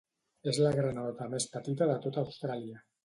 És la granota més petita de tot Austràlia.